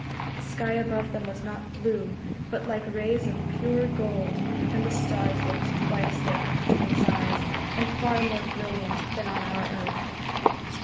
The sky above them was not blue, but like rays of pure gold, and the stars looked twice their usual size, and far more brilliant than on our earth.